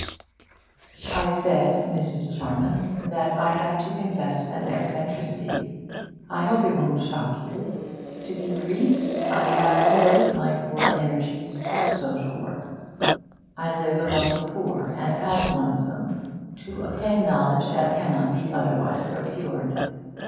'I said, Mrs. Charman, that I had to confess to an eccentricity. I hope it won't shock you. To be brief, I have devoted my poor energies to social work. I live among the poor, and as one of them, to obtain knowledge that cannot be otherwise procured.'